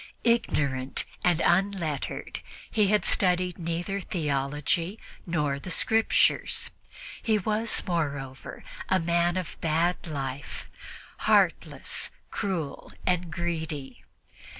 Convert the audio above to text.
Ignorant and unlettered, he had studied neither theology nor the Scriptures; he was, moreover, a man of bad life, heartless, cruel and greedy.